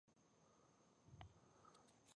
تلخیص خلاصې ته ويل کیږي.